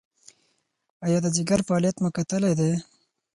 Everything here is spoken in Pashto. ایا د ځیګر فعالیت مو کتلی دی؟